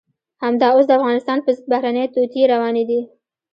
همدا اوس د افغانستان په ضد بهرنۍ توطئې روانې دي.